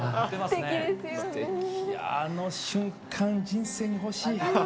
すてき、あの瞬間、人生に欲しい。